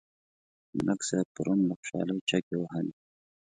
ملک صاحب پرون له خوشحالۍ چکې وهلې.